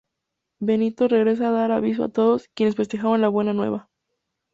Benito regresó a dar aviso a todos, quienes festejaron la buena nueva.